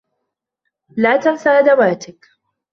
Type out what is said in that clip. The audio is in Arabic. لا تنسى أدواتك.